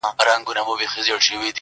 • زړه وه زړه ته لاره لري.